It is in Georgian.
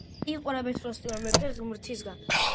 იყო არაბეთს როსტევან მეფე ღმრთისაგან